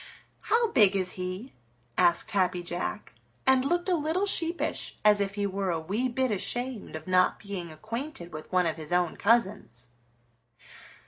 "How big is he?" asked Happy Jack, and looked a little sheepish as if he were a wee bit ashamed of not being acquainted with one of his own cousins.